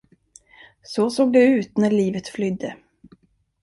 Så såg det ut när livet flydde.